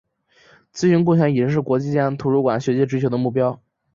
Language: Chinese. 资讯共享已经是国际间图书馆学界追求的目标。